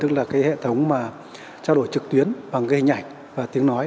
tức là cái hệ thống mà trao đổi trực tuyến bằng gây nhảy và tiếng nói